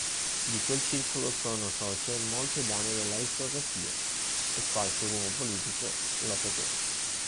Di quel circolo sono socie molte dame dell'aristocrazia, e qualche uomo politico lo frequenta.